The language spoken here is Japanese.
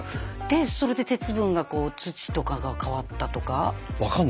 でそれで鉄分が土とかが変わったとか？